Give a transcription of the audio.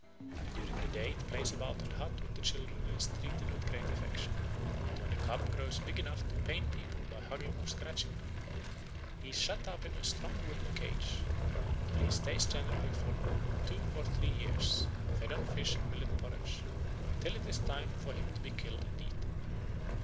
During the day it plays about in the hut with the children and is treated with great affection. But when the cub grows big enough to pain people by hugging or scratching them, he is shut up in a strong wooden cage, where he stays generally for two or three years, fed on fish and millet porridge, till it is time for him to be killed and eaten.